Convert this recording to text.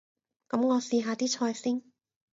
噉我試下啲菜先